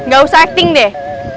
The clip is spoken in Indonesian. gak usah acting deh